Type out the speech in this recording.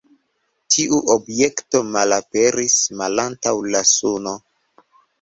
Tiu objekto malaperis malantaŭ la Suno.